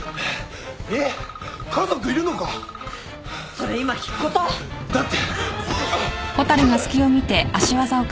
それ今聞くこと？だって。